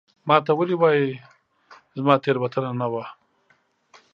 ما ته ولي وایې ؟ زما تېروتنه نه وه